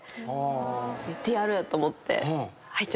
いってやる！と思って。